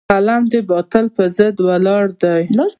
قلم د باطل پر ضد ولاړ دی